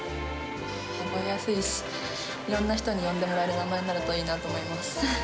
覚えやすいし、いろんな人に呼んでもらえる名前になるといいなと思います。